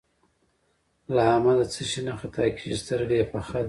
له احمده څه شی نه خطا کېږي؛ سترګه يې پخه ده.